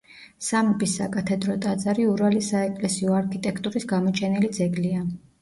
სამების საკათედრო ტაძარი ურალის საეკლესიო არქიტექტურის გამოჩენილი ძეგლია.